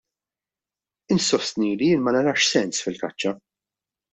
Insostni li jien ma narax sens fil-kaċċa.